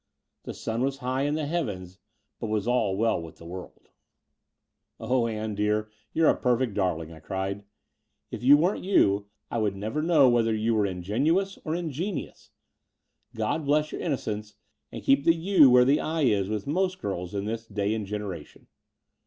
The sun was high in the heavens : but was all well with the world? Between London and Clymping 145 "Oh, Ann dear, you're a perfect darling," I cried. If you weren't you, I would never know whether you were ingenuous or ingenious! God bless your innocence and keep the *u' where the 'i' is with most girls in this day and generation."